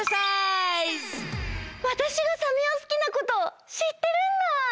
わたしがサメをすきなことしってるんだ！